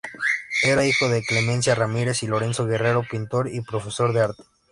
Era hijo de Clemencia Ramírez y Lorenzo Guerrero, pintor y profesor de arte.